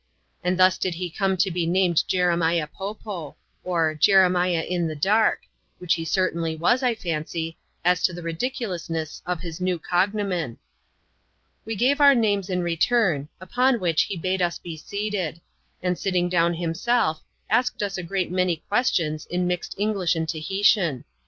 And thus did he come to be named Jeremiah Po Po ; or, Jeremiah in the Dark — which he certainly was, I fancy, as to the ridiculousness of his new cognomen. We gave our names in return ; upon which he bade us be seated.; and sitting down himself, asked us a great many ques tions, in mixed English and Tahitian.